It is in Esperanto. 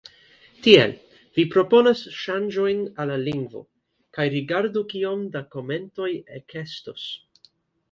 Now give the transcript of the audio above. Tiel, vi proponas ŝanĝojn al la lingvo, kaj rigardu kiom da komentoj ekestos.